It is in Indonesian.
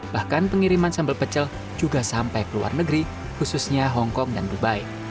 bahkan pengiriman sambal pecel juga sampai ke luar negeri khususnya hongkong dan dubai